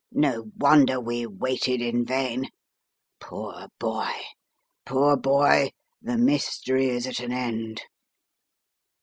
No wonder we waited in vain. Poor boy, poor boy, the mystery is at an end."